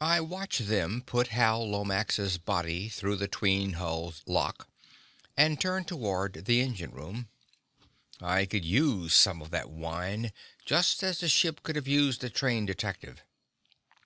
I watched them put Hal Lomax's body through the 'tween hulls lock, and turned toward the engine room; I could use some of that wine, just as the ship could have used a trained detective.